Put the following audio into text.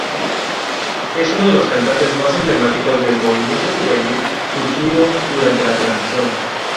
Es uno de los cantantes más emblemáticos del movimiento juvenil surgido durante la transición.